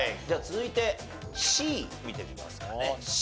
じゃあ続いてＣ見てみますかね。